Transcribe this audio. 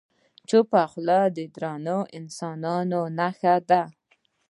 چپه خوله، د دروند انسان نښه ده.